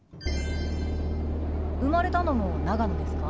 生まれたのも長野ですか？